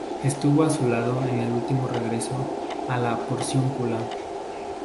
Estuvo a su lado en el último regreso a la Porciúncula.